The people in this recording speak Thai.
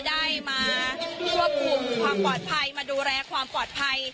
ได้มาควบคุมความปลอดภัยมาดูแลความปลอดภัย